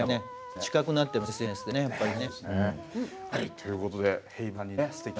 近くなってますＳＮＳでねやっぱりね。